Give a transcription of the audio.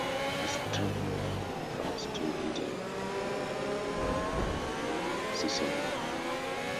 He struggled with a hamstring injury that bothered him all season long.